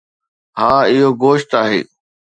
ها، اهو گوشت آهي